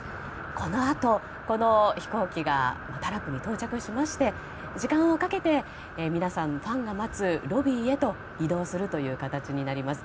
このあと、この飛行機がタラップに到着しまして時間をかけてファンが待つロビーへと移動するという形になります。